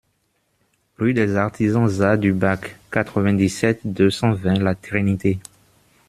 Rue des Artisans-Za du Bac, quatre-vingt-dix-sept, deux cent vingt La Trinité